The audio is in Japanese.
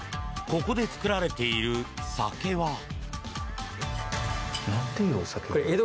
ここで造られている酒は。